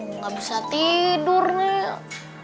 nggak bisa tidur nih